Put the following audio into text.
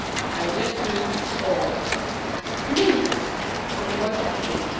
Now guess who it is for?" "Me," said the boy promptly.